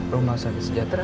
rumah sakit sejahtera